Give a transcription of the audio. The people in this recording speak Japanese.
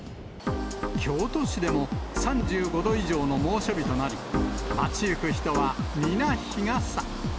京都市でも３５度以上の猛暑日となり、街行く人は皆日傘。